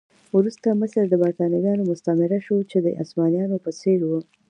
خو وروسته مصر د برېټانویانو مستعمره شو چې د عثمانيانو په څېر و.